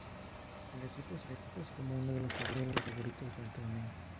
El equipo se preparó como uno de los favoritos del torneo.